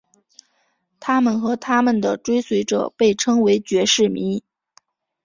他们和他们的追随者被称为爵士迷。